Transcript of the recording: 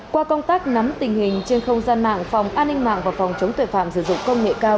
qua công tác nắm tình hình trên không gian mạng phòng an ninh mạng và phòng chống tuệ phạm sử dụng công nghệ cao